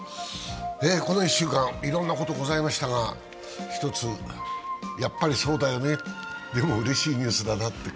この１週間いろいろなことがございましたが、一つ、やっぱりそうだよね、でもうれしいニュースだなって。